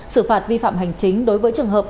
xử phạt vi phạm hành chính đối với trường hợp